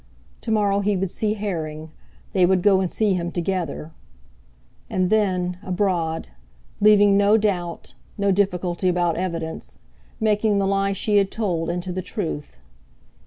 To morrow he would see Herring—they would go and see him together. And then—abroad, leaving no doubt, no difficulty about evidence, making the lie she had told into the truth.